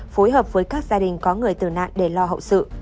phối hợp với các gia đình có người tử nạn để lo hậu sự